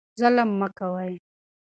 ظلم مه کوئ.